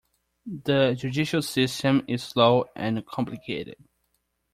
The judicial system is slow and complicated.